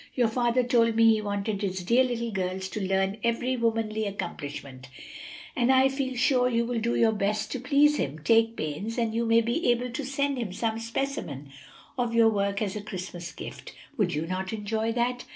"Your father told me he wanted his dear little girls to learn every womanly accomplishment, and I feel sure you will do your best to please him. Take pains, and you may be able to send him some specimen of your work as a Christmas gift. Would you not enjoy that?"